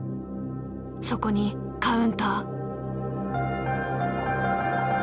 そこにカウンター。